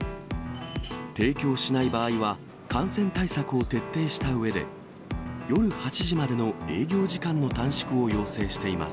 提供しない場合は、感染対策を徹底したうえで、夜８時までの営業時間の短縮を要請しています。